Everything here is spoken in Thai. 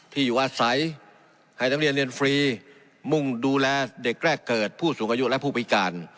ที่อยู่อาศัยให้นักเรียนเรียนฟรีมุ่งดูแลเด็กแรกเกิดผู้สูงอายุและผู้พิการ